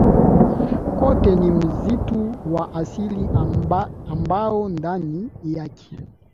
kote ni msitu wa asili ambao ndani yake